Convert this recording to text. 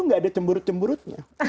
nggak ada cemburut cemburutnya